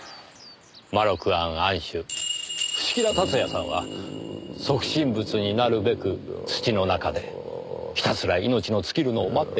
まろく庵庵主伏木田辰也さんは即身仏になるべく土の中でひたすら命の尽きるのを待っていたんです。